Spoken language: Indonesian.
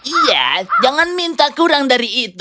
ia tidak perlu banyak